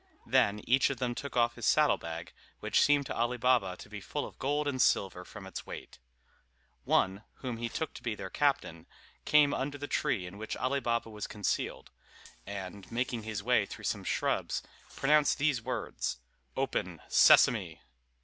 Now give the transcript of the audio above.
Then each of them took off his saddle bag, which seemed to Ali Baba to be full of gold and silver from its weight. One, whom he took to be their captain, came under the tree in which Ali Baba was concealed; and, making his way through some shrubs, pronounced these words "Open, Sesame!"